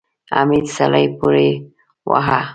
حميد سړی پورې واهه.